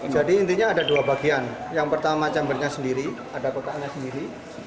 jadi intinya ada dua bagian yang pertama chambernya sendiri ada kotaknya sendiri